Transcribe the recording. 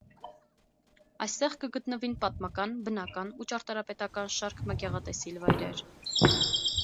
Այստեղ կը գտնուին պատմական, բնական եւ ճարտարապետական շարք մը գեղատեսիլ վայրեր։